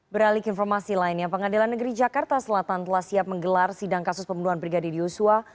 beralik informasi lainnya pengadilan negeri jakarta selatan telah siap menggelar sidang kasus pembunuhan brigadir yosua